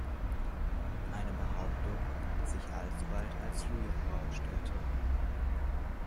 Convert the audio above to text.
Eine Behauptung die sich alsbald als Lüge herausstellte.